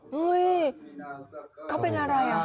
เฮ้ยเขาเป็นอะไรอ่ะ